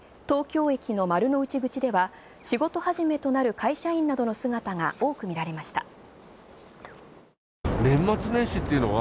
東京駅の丸の内口では仕事始めとなる会社員などの姿が多く見られました。